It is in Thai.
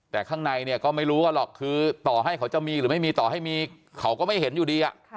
แต่ข้างในเนี่ยก็ไม่รู้กันหรอกคือต่อให้เขาจะมีหรือไม่มีต่อให้มีเขาก็ไม่เห็นอยู่ดี